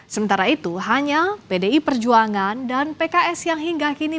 sementara itu hanya pdi perjuangan dan pks yang hingga kini